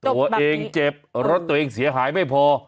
ตัวเองเจ็บรถตัวเองเสียหายไม่พอ